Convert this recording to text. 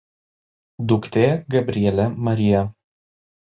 Duktė Gabrielė Marija.